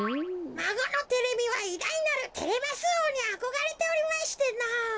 まごのテレミはいだいなるテレマスおうにあこがれておりましてのぉ。